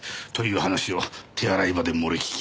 という話を手洗い場で漏れ聞きまして。